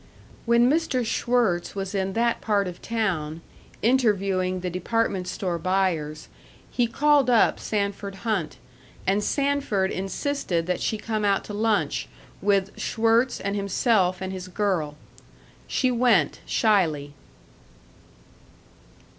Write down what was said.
When Mr. Schwirtz was in that part of town, interviewing the department store buyers, he called up Sanford Hunt, and Sanford insisted that she come out to lunch with Schwirtz and himself and his girl. She went shyly.